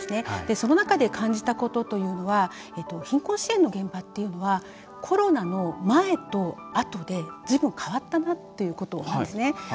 その中で感じたことというのは貧困支援の現場っていうのはコロナの前とあとでずいぶん変わったなっていうことなんですね。